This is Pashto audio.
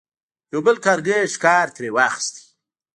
یو بل کارغه ښکار ترې واخیست.